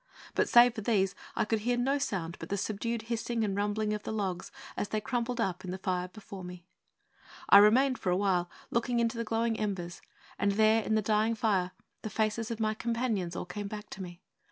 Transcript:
But, save for these, I could hear no sound but the subdued hissing and rumbling of the logs as they crumpled up in the fire before me. I remained for awhile, looking into the glowing embers; and there, in the dying fire, the faces of my companions all came back to me.